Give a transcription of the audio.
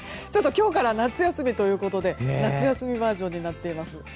今日から夏休みということで夏休みバージョンになっています。